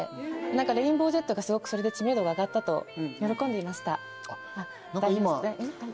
レインボージェットがすごくそれで知名度が上がったと喜んでいました。